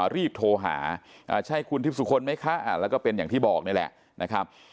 รีบโทรหาใช่คุณทิพย์สุคลไหมคะแล้วก็เป็นอย่างที่บอกนี่แหละนะครับ